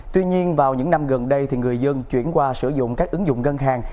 tuy nhiên vào những năm gần đây người dân chuyển qua sử dụng các ứng dụng ngân hàng